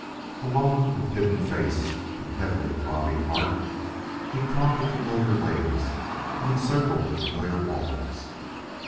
Alone, with hidden face and heavily throbbing heart, he trod the familiar ways and encircled the familiar walls.